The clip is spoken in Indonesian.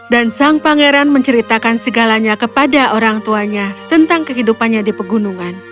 dan sang pangeran menceritakan segalanya kepada orang tuanya tentang kehidupannya di pegunungan